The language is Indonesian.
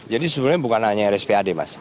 jadi sebenarnya bukan hanya rspad mas